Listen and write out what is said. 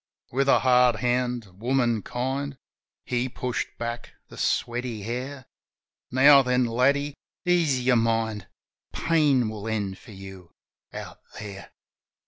With a hard hand, womarf kind. He pushed back the sweaty hair. "Now then, laddie, ease your mind. Pain will end for you out There.